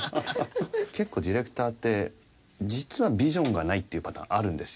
結構ディレクターって実はビジョンがないっていうパターンあるんですよね。